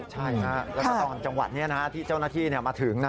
ใช่แล้วก็ตอนจังหวะนี้ที่เจ้าหน้าที่มาถึง